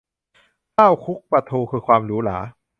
ข้าวคลุกปลาทู คือความหรูหรา